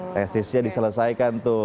tesisnya diselesaikan tuh